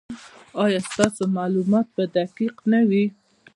ایا ستاسو معلومات به دقیق نه وي؟